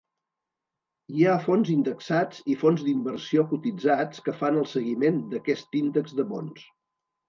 Hi ha fons indexats i fons d'inversió cotitzats que fan el seguiment d'aquest índex de bons.